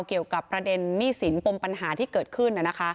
เกี่ยวกับประเด็นหนี้สินปมปัญหาที่เกิดขึ้น